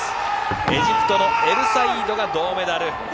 エジプトのエルサイードが銅メダル。